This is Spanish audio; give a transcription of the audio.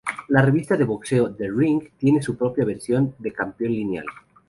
La revista sobre boxeo "The Ring" tiene su propia versión de campeón lineal.